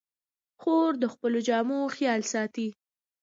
خور د خپلو جامو خیال ساتي.